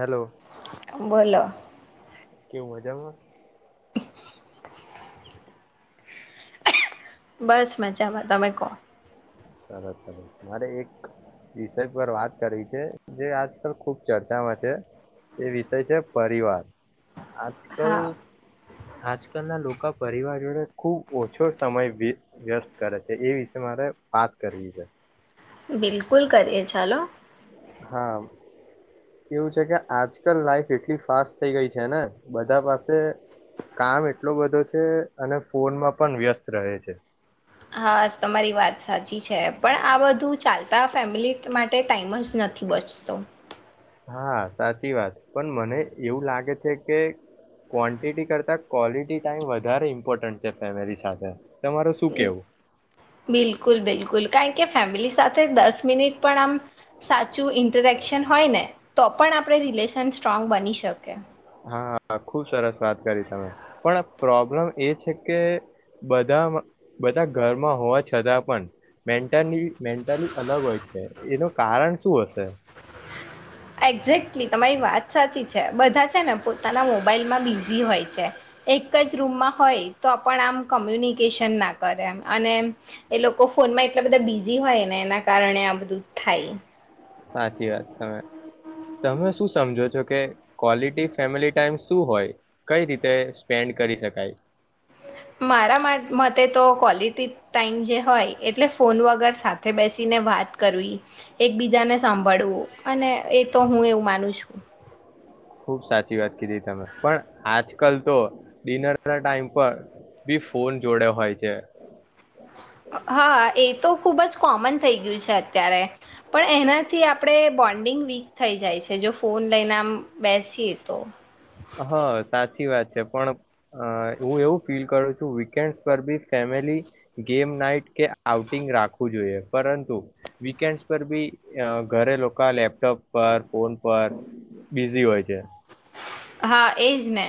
Hello બોલો. કેવું મજામાં? બસ મજામાં તમે કો. સરસ સરસ મારે એક વિષય પર વાત કરવી છે જે આજકાલ ખુબ ચર્ચામાં છે એ વિષય છે પરિવાર. આજકલ હા આજકાલના લોકા પરિવાર જોડે ખુબ ઓછો સમય વીત વ્યસ્ત કરે છે એ વિશે મારે વાત કરવી છે. બિલકુલ કરીએ ચાલો હા. કેવું છે કે આજકાલ લાઈફ એટલી ફાસ્ટ થઈ ગઈ છે ને બધા પાસે કામ એટલો બધો છે અને ફોનમાં પણ વ્યસ્ત રહે છે. હા, તમારી વાત સાચી છે પણ આ બધું ચાલતા ફેમિલી માટે ટાઈમ જ નથી બચતો. હા, સાચી વાત પણ મને એવું લાગે છે કે ક્વોન્ટિટી કરતા ક્વોલિટી ટાઈમ વધારે ઇમ્પોર્ટન્ટ છે ફેમિલી સાથે તમારું શું કેવું? બિલકુલ બિલકુલ કારણ કે ફેમિલી સાથે દસ મિનિટ પણ આમ સાચું ઇન્ટરેક્શન હોય ને તો પણ આપણે રિલેશન સ્ટ્રોંગ બની શકે. હા, ખુબ સરસ વાત કરી તમે પણ આ પ્રોબ્લેમ એ છે કે બધામાં બધા ઘરમાં હોવા છતાં પણ મેન્ટલી મેન્ટલી અલગ હોય છે એનું કારણ શું હશે? એક્ઝેક્ટલી તમારી વાત સાચી છે બધા છે ને પોતાના મોબાઈલમાં બિઝી હોય છે એક જ રૂમમાં હોય તો પણ આમ કોમ્યુનિકેશન ના કરે એમ અને એ લોકો ફોનમાં એટલા બધા બિઝી હોયને એના કારણે આ બધું થાય. સાચી વાત તમે તમે શું સમજો છો કે ક્વોલિટી ફેમિલી ટાઈમ શું હોય? કઈ રીતે સ્પેન્ડ કરી શકાય? મારા મતે તો ક્વોલિટી ટાઈમ જે હોય એટલે ફોન વગર સાથે બેસીને વાત કરવી એકબીજાને સાંભળવું અને એ તો હું એવું માનું છું. ખુબ સાચી વાત કીધી તમે પણ આજકાલ તો ડિનરના ટાઈમ પર બી ફોન જોડે હોય છે. હા એ તો ખુબ જ કોમન થઈ ગયું છે અત્યારે પણ એનાથી આપણે બોન્ડિંગ વીક થઈ જાય છે જો ફોન લઈને આમ બેસીએ તો હ, સાચી વાત છે. પણ હું એવું ફીલ કરું છું વીકેન્ડ પર બી ફેમિલી ગેમ નાઈટ કે આઉટિન્ગ રાખવું જોઈએ પરંતુ વીકેન્ડસ પર બી ઘરે લોકા લેપટોપ પર ફોન પર બિઝી હોય છે. હા એજ ને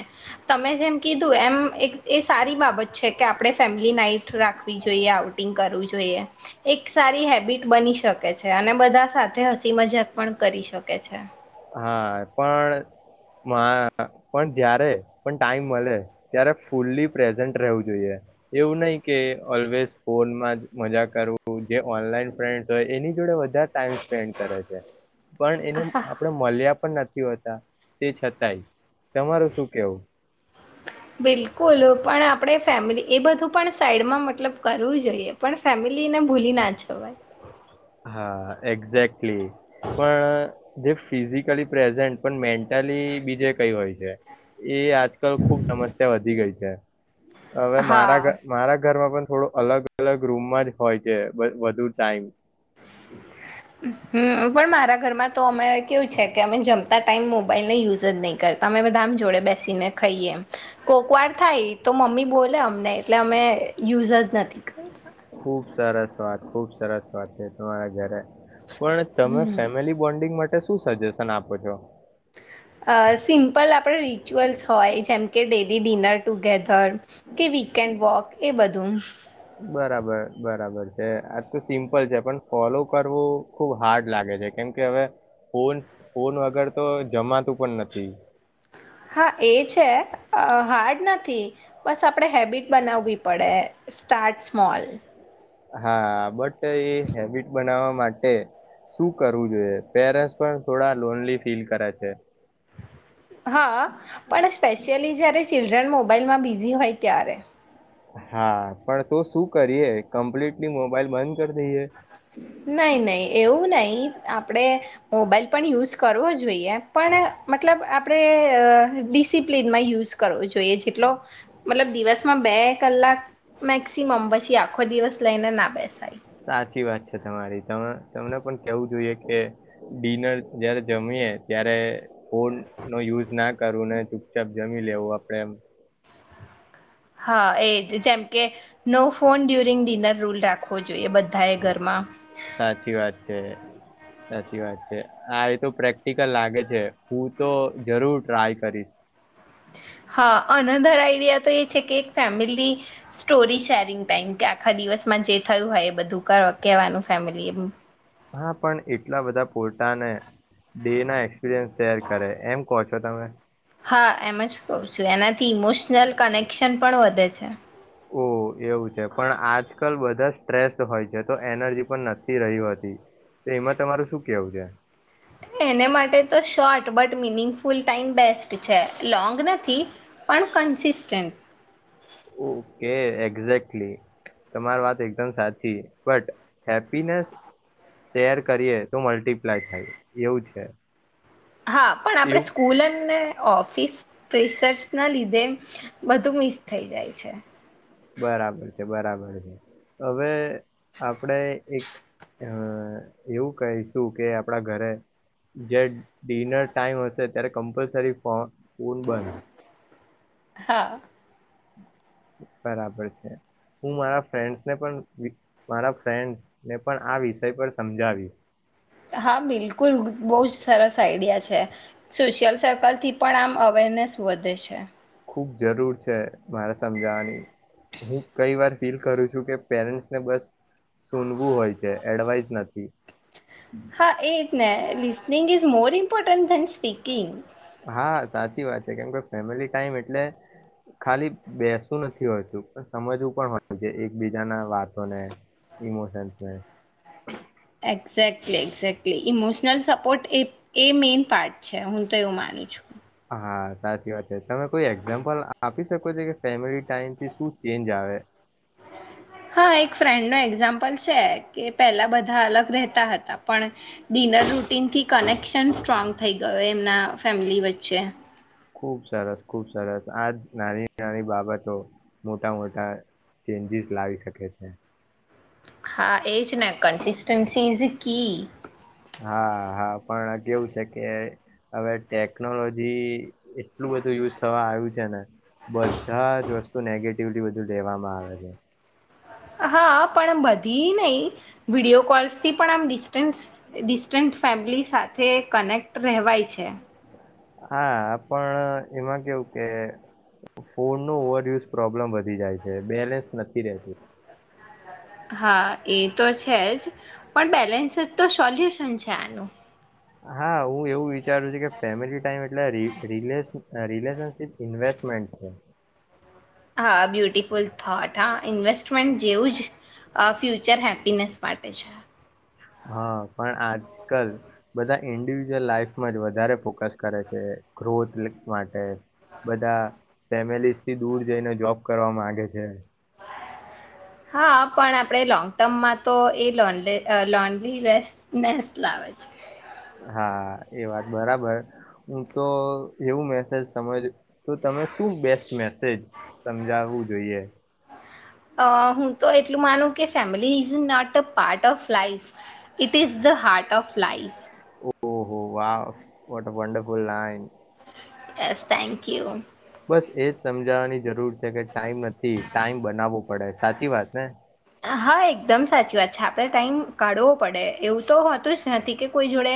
તમે જેમ કીધું એમ એક એ સારી બાબ છે કે આપણે ફેમ નાઈટ રાખવી જોઈએ આઉટિંગ કરવું જોઈએ એક સારી હેબિટ બની શકે છે અને બધા સાથે હસી મજાક પણ કરી શકે છે. હા પણ મા પણ જ્યારે પણ ટાઈમ મળે ત્યારે ફુલ્લી પ્રેઝન્ટ રહેવું જોઈએ એવું નહીં કે ઓલવેઝ ફોનમાં મજા કરવું જે ઓનલાઈન ફ્રેન્ડ્સ હોય એની જોડે વધારે ટાઈમ સ્પેન્ડ કરે છે. પણ હા એને મલ્યા પણ નથી હોતા તે છતાંય તમારું શું કેવું બિલકુલ પણ આપ ણે ફેમિલી એ બધું પણ સાઈડમાં મતલબ કરવું જોઈએ પણ ફેમેલીને ભૂલી ના જવાય. હા એક્ઝેક્ટલી પણ જે ફિઝિકલી પ્રેઝન્ટ પણ મેન્ટલી બીજે કઈ હોય છે. એ આજકાલ ખુબ સમસ્યા વધી ગઈ છે. [unintelligible] હવે હા મારા મારા ઘરમાં પણ થોડો અલગ અલગ રૂમમાં જ હોય છે વધુ ટાઈમ. [inaudible] હમ્મ પણ મારા ઘરમાં તો અમે કેવું છે કે અમે જમતા ટાઈમ મોબાઈલને યુઝ જ નહી કરતા અમે બધા આમ જોડે બેસીને ખાઈએ એમ કોકવાર થાય તો મમ્મી બોલે અમને એટલે અમે યુઝ જ નથી કરતા. ખુબ સરસ વાત ખુબ સરસ વાત છે તમારા ઘરે. પણ તમે હમ ફેમિલી બોન્ડિંગ માટે શું સજેશન આપો છો? અ સિમ્પલ આપડે રિચ્યુઅલ્સ હોય જેમ કે ડેલી ડિનર ટુગેધર કે વીકેન્ડ વોક એ બધું. બરાબર બરાબર છે આજ તો સિમ્પલ છે પણ ફોલો કરવું ખુબ હાર્ડ લાગે છે કેમ કે હવે ફોન ફોન વગર તો જમાતું પણ નથી. હા એ છે હાર્ડ નથી બસ આપણે હેબિટ બનાવવી પડે સ્ટાર્ટ સ્મોલ. હા બટ એ હેબિટ બનાવવામાં માટે શું કરવું જોઈએ પેરે પણ થોડા લોનલી ફીલ કરે છે? હા પણ સ્પેશિયલી જ્યારે ચિલ્ડ્રન મોબાઈલમાં બિઝી હોય ત્યારે. હા પણ તો શું કરીએ કમ્પ્લીટલી મોબાઈલ બંધ કરી દઈએ? નહી નહી એવું નહી. આપણેે મોબાઈલ પણ યુઝ કરવો જોઈએ પણ મતલબ આપણેે ડિસિપ્લનમાં યુઝ કરવો જોઈએ જેટલો મલબ દિવસમાં બે કલાક મેક્સિમમ પછી આખો દિવસ લઈને ના બેસાઈ. સાચી વાત છે તમા તમને પણ કેવું જોઈએ કે ડિનર જયારે જમીયએ ત્યારે ફોન નો યુઝ ના કરું ને. ચુપચાપ જમી લેવું આપડે એમ હા એજ જેમ કે no phone during dinner rule રાખવો જોઈએ બધા એ ઘરમાં. સાચી વાત છે સાચી વાત છે આ એ તો પ્રેક્ટિકલ લાગે છે હું તો જરૂર ટ્રાય કરીશ. હા અનધાર આઈડિયા તો એ છે કે એક ફેમિલી સ્ટોરી શેરિંગ ટાઈમ કે આખા દિવસમાં જે થયું હોય એ બધું કર કેવાનું ફેમિલી એ. પણ એટલા બધા પોલટાને ડે ના એક્સપિરયન્સ શેર કરે એમ કહો છો તમે. હા એમ જ કહું છું એના થી ઇમોશનલ કનેક્શન પણ વધે છે. ઓહ એવું છે પણ આજકાલ બધા સ્ટ્રેસ હોય છે તો એનર્જી પણ નથી રહી હતી તો એમાં તમારું શું કેવું છે? એને માટે તો short but meaningful full time best છે લોંગ નથી પણ કન્સન્ટન્સી. ઓકે એક્ઝેકલી તમારી વાત એકદમ સાચી બટ હેપીનેસ શેર કરીએ તો મલ્ટિપ્લાય થાય એવું છે. હા પણ આપણે એવું સ્કૂલને ઓફ પીસ પ્રેસર્સ ના લીધે બધું મિસ થઈ જાય છે. બરાબર છે બરાબર છે હવે આપણેે એક અ એવું કહીશું કે આપડા ઘરે જે ડિનર ટાઈમ હશે ત્યારે કમ્પલસરી ફો ન બંધ. હા. બરાબર છે હું મારા ફ્રેન્ડસને પણ મારા ફ્રેન્ડસ ને પણ આ વિષય પર સમજાવીશ. હા બિલકુલ બહુ જ સરસ. આઈડિયા છે સોશિયલ સર્કલથી પણ આમ અવેરનેસ વધે છે. ખુબ જરૂર છે મારે સમજાવવાની હું કઈ વાર ફીલ કરું છું કે પેરેન્ટ્સને બસ સુનવું હોય છે એડવાઈસ નથી. હા એ જ ને listening is more important than speaking. હા સાચી વાત છે કેમ કે ફેમિલી ટાઈમ એટલે ખાલી બેસવું નથી હોતું સમજવું પણ હોય એકબીજાના વાતોને, ઈમોશન્સને. એક્ઝેક્ટલી એક્ઝેક્ટલી ઇમોશનલ સપોર્ટ એ મેઈન પાર્ટ છે હું તો એવું માનું છું. હા સાચી વાત છે તમે કોઈ એક્ઝામ્પલ આપી શકો છો કે ફેમિલી ટાઈમથી શું ચેન્જ આવે. હા એક ફ્રેન્ડનો એક્ઝામ્પલ છે કે પહેલા બધા અલગ રહેતા હતા પણ ડિનર રૂટીનથી કનેક્શન સ્ટ્રોંગ થઈ ગયો એમના ફેમિલી વચ્ચે. ચે. ખુબ સરસ ખુબ સરસ આજ નાની નાની બાબતો મોટા મોટા ચેન્જીસ લાવી શકે છે. હા એ છે ના કન્સિસ્ટન્સી ઈઝ કી. હા હા પણ કેવું છે કે હવે ટેકનોલોજી એટલું બધું યુઝ થવા આવ્યું છે ને. બધા જ વસ્તુ નેગેટિવલી બધું લેવામાં આવે હા પણ બધી નહી વિડીયો કોલ્સ થી પણ આમ ડિસ્ટ ડિસ્ટન્ટ ફેમિલી સાથે કનેક્ટ રહેવાય છે. હા પણ એમાં કેવું કે ફોન નું ઓવરયુઝ પ્રોબ્લેમ વધી જાય છે બેલેન્સ નથી રહેતું. હા એ તો છે જ. પણ બેલેન્સ જ તો સોલ્યુશન છે આનું. હા હું એવું વિચારું છું કે ફેમિલી ટાઈમ એટલે ર રિલેશન રિલેશનસ ઇન્વેસ્ટમેન્ટ છે. હા. બ્યુટિફુલ થોટ હા ઇન્વેસ્ટમેન્ટ જેવું જ અ ફ્યુચર હેપીનેસ માટે છે. હા પણ આજ કલ બધા ઇન્ડિવિજ્યુઅલ લાઈફમાં જ વધારે ફોકસ કરે છે ગ્રોથ માટે. બધા ફેમિલીઝ થી દૂર જઈને જોબ કરવા માંગે છે. હા પણ આપણે લોંગ ટર્મમાં તો એ લોનલિ અ લોનલીલેસ નેસ લાવે છે. હા એ વાત બરાબર હું તો એવું મેસેજ સમજ તો તમે શું બેસ્ટ મેસેજ સમજાવવું જોઈએ. અ હું તો એટલું માનું કે family is not a part of life it is the heart of life. ઓહો વાહ વાટ વંડરફુલ લાઇન. બસ થેન્ક યુ. બસ એજ સમજાવાની જરૂર છે કે ટાઈમ નથી ટાઈમ બનાવવો પડે સાચી વાત ને. હા એકદમ. સાચી વાત છે આપડે ટાઈમ કાઢવો પડે એવું. તો હોતું જ કે કોઈ જોડે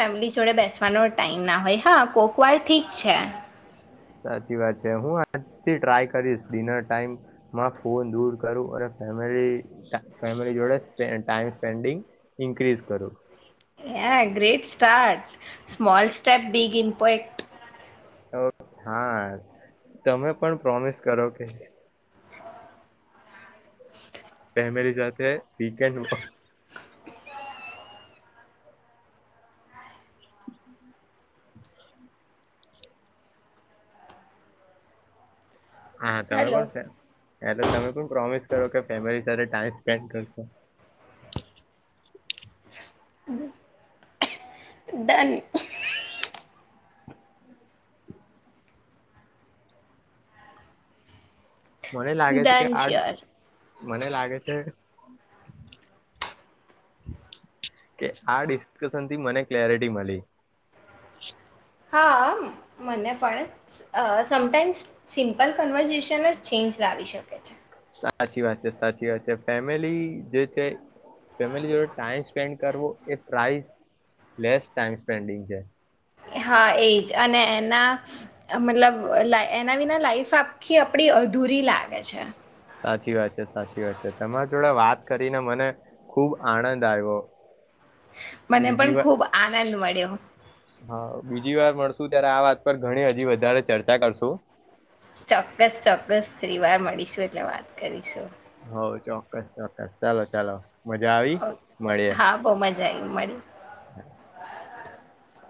ફેમલી જોડે બેસવાનો ટાઈમ ના હોય હા કોક વાર ઠીક છે. સાચી વાત છે. હું આજથી ટ્રાય કરીશ ડિનર ટાઈમમાં ફોન દૂર કરું અને ફેમલી ફેમિલી જોડે ટાઈમ સ્પેન્ડિંગ ઇન્ક્રીઝ કરું. એ great. Start. Small start big impact. હા તમે પણ પ્રોમિસ કરો કે ફેમલી જાતે વીકન્ડ [inaudible] હા તમે [inaudible] હલો તમે પણ પ્રોમિસ કરો કે ફેમિલી સાથે ટાઈમ સ્પેન્ડ કરશો. ડન મને લાગે છે કે ડન આ શ્યોર મને લાગે છે. કે આ ડિસ્કશન થી મને ક્લેરિટી મલી. હા આમ મને પણ અ સમટાઈમ્સ સિમ્પલ કન્વર્ઝેશન જ ચેન્જ લાવી શકે છે. સાચી વાત છે સાચી વાત છે ફેમિલી જે છે ફેમલી જોડે ટાઈમ સ્પેન્ડ કરવો એ પ્રાઇસ લેસ ટાઈમ સ્પેન્ડિંગ છે. હા એ. જ અને એના મતલબ એલે એના વિના લાઈફ આખી આપડી અધૂરી લાગે છે. સાચી વાત છે સાચી વાત છે તમારા જોડે વાત કરીને મને ખુબ આનંદ આયવો. મને પણ ખુબ આનંદ મળ્યો. જી વાર મળશું ત્યારે આ વાત પર ઘણી હજી વધારે ચર્ચા કરશું. ચોક્કસ ચોક્કસ ફરીવાર મળીશું એટલે વા કરીશું. હ ચોક્કસ ચોક્કસ ચાલો ચાલો. મજા આવી મળ્યે. જાય મળી. [inaudible] [inaudible]